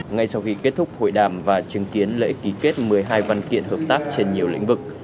ngay sau khi kết thúc hội đàm và chứng kiến lễ ký kết một mươi hai văn kiện hợp tác trên nhiều lĩnh vực